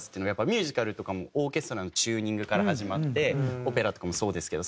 ミュージカルとかもオーケストラのチューニングから始まってオペラとかもそうですけど。